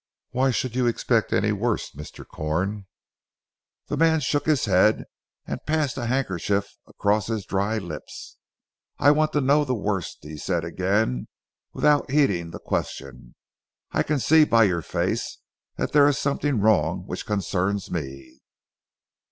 "Why should you expect any worst Mr. Corn?" The man shook his head and passed a handkerchief across his dry lips. "I want to know the worst," he said again, without heeding the question. "I can see by your face that there is something wrong which concerns me."